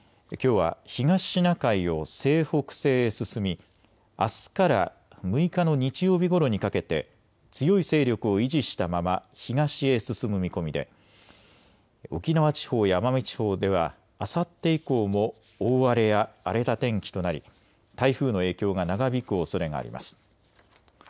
きょうは東シナ海を西北西へ進みあすから６日の日曜日ごろにかけて強い勢力を維持したまま東へ進む見込みで沖縄地方や奄美地方ではあさって以降も大荒れや荒れた天気となり台風の影響が長引くおそれがあります。